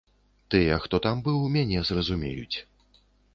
Тыя, хто там быў, мяне зразумеюць.